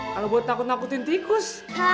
kalau buat takut takutin tikus